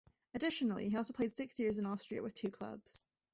Additionally, he also played six years in Austria with two clubs.